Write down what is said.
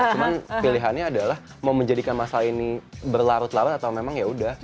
cuma pilihannya adalah mau menjadikan masalah ini berlarut larut atau memang ya udah